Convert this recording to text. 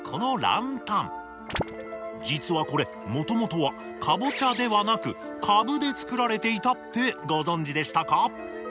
実はこれもともとはカボチャではなくカブで作られていたってご存じでしたか？